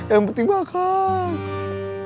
yang penting bakal